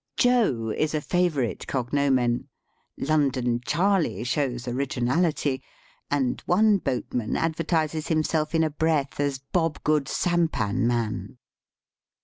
"Joe" is a favourite cognomen. "London Charley " shows originaUty, and one boatman advertises himseK in a breath as "Bobgood sampanman."